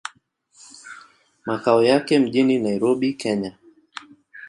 Makao yake mjini Nairobi, Kenya.